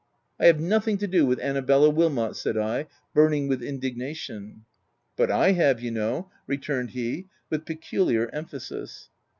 " I have nothing to do with Annabella Wil mot," said I, burning with indignation. " But / have, you know," returned he, with peculiar emphasis.